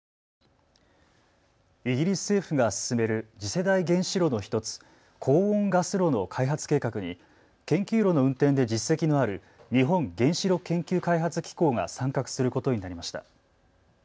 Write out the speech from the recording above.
イギリス政府が進める次世代原子炉の１つ、高温ガス炉の開発計画に研究炉の運転で実績のある日本原子力研究開発機構が参画することになりました。